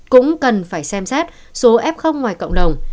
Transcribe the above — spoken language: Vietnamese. cũng cần phải xem xét số f ngoài cộng đồng